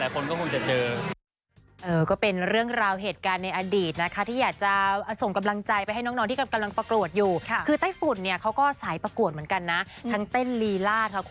แต่ก็คือเป็นเหตุการณ์ที่เผชิญเองในช่วงแรกก่อนเข้าโมงการด้วย